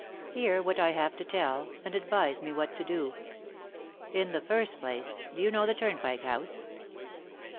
Hear what I have to tell, and advise me what to do. In the first place, do you know the Turnpike House?"